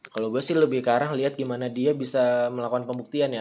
kalau gue sih lebih ke arah lihat gimana dia bisa melakukan pembuktian ya